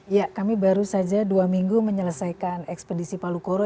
ya kami baru saja dua minggu menyelesaikan ekspedisi palu koro